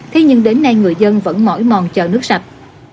thế nhưng đến nay người dân vẫn mỏi mòn chờ nước sạch